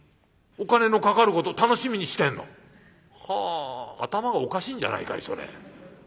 お金のかかること楽しみにしてんの？はあ頭がおかしいんじゃないかいそれ。